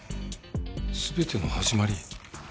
全ての始まり。